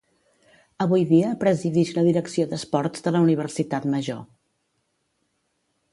Avui dia presidix la direcció d'esports de la Universitat Major.